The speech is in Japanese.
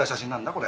これ。